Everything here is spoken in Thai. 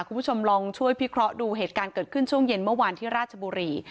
คุณผู้ชมลองช่วยพิเคราะห์ดูเหตุการณ์เกิดขึ้นช่วงเย็นเมื่อวานที่ราชบุรี